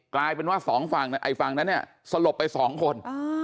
กลายเป็นว่าสองฝั่งไอ้ฝั่งนั้นเนี่ยสลบไปสองคน